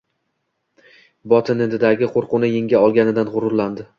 botinidagi qo‘rquvni yenga olganidan g‘ururlandi.